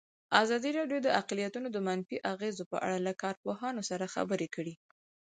ازادي راډیو د اقلیتونه د منفي اغېزو په اړه له کارپوهانو سره خبرې کړي.